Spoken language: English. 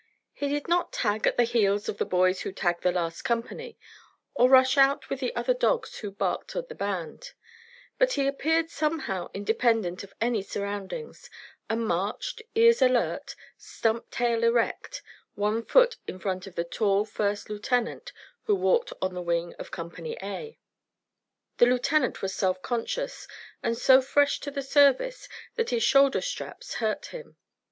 He did not tag at the heels of the boys who tagged the last company, or rush out with the other dogs who barked at the band; but he appeared somehow independent of any surroundings, and marched, ears alert, stump tail erect, one foot in front of the tall first lieutenant who walked on the wing of Company A. The lieutenant was self conscious and so fresh to the service that his shoulder straps hurt him.